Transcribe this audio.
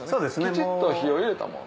きちっと火を入れたもの。